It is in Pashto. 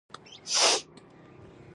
اقلیم د افغانستان د بڼوالۍ برخه ده.